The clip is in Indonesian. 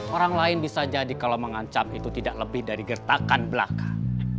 orang lain bisa jadi kalau mengancam itu tidak lebih dari gertakan belaka